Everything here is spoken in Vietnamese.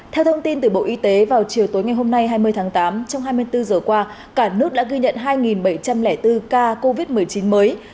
theo thông tin từ bộ y tế vào chiều tối ngày hôm nay hai mươi tháng tám trong hai mươi bốn giờ qua cả nước đã ghi nhận hai bảy trăm linh bốn ca covid một mươi chín mới